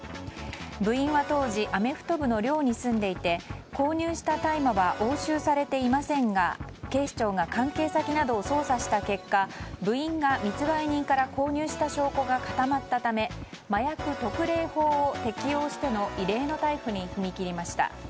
部員は当時アメフト部の寮に住んでいて購入した大麻は押収されていませんが警視庁が関係先などを捜査した結果部員が密売人から購入した証拠が固まったため麻薬特例法を適用しての異例の逮捕に踏み切りました。